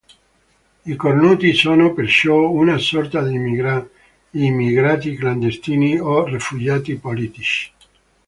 I Cornuti sono, perciò, una sorta di immigrati clandestini o rifugiati politici.